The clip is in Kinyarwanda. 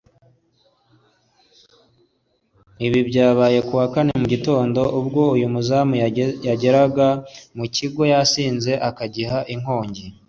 Ibi byabaye ku wa Kane mu gitondo ubwo uyu muzamu yageraga mu kigo yasinze akagiha inkongi